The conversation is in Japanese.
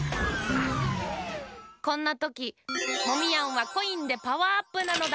こんなときモミヤンはコインでパワーアップなのだ。